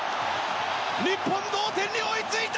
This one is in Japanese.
日本、同点に追いついた！